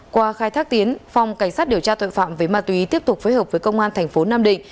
qua khai thác tiến phòng cảnh sát điều tra tội phạm về ma túy tiếp tục phối hợp với công an thành phố nam định